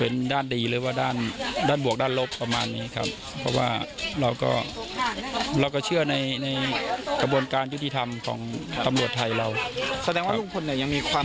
ในในกระบวนการยุทธิธรรมของกำลัวไทยเราแสดงว่าลุงพลเนี่ยยังมีความ